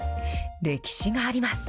歴史があります。